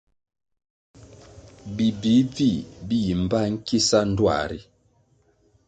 Bi bvih-bvih bi yi mbpa nkisa ndtuā ri.